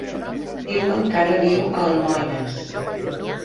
Diuen que ara viu a Almoines.